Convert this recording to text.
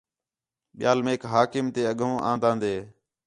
ٻِیال میک حاکم تے اڳّوں آنداندے